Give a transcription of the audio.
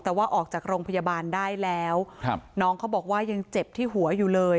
แต่ว่าออกจากโรงพยาบาลได้แล้วครับน้องเขาบอกว่ายังเจ็บที่หัวอยู่เลย